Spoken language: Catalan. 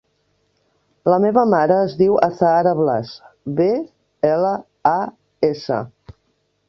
La meva mare es diu Azahara Blas: be, ela, a, essa.